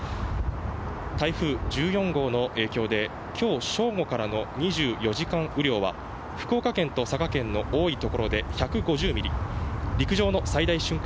台風１４号の影響で、今日正午からの２４時間雨量は福岡県と佐賀県の多い所で１５０ミリ、陸上の最大瞬間